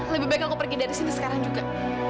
lebih baik aku pergi dari sini sekarang juga